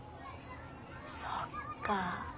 そっか。